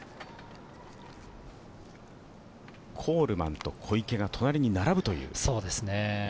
コールマンと小池が隣に並ぶという。